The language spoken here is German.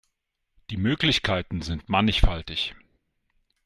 Die Möglichkeiten sind mannigfaltig.